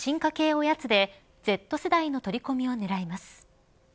おやつでＺ世代の取り込みを狙います。